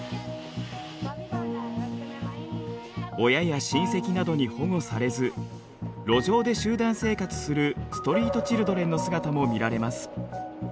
親や親戚などに保護されず路上で集団生活するストリートチルドレンの姿も見られます。